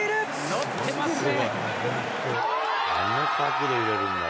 乗ってますね。